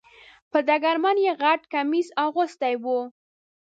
په ډګرمن یې غټ کمیس اغوستی و .